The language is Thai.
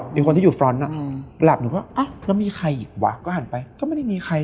มีคนที่อยู่ฟรอนต์อ่ะหลับหนูก็อ้าวแล้วมีใครอีกวะก็หันไปก็ไม่ได้มีใคร